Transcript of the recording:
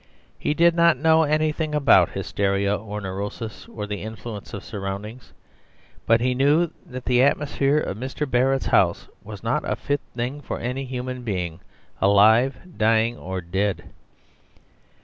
He did not know anything about hysteria or neurosis, or the influence of surroundings, but he knew that the atmosphere of Mr. Barrett's house was not a fit thing for any human being, alive, dying, or dead.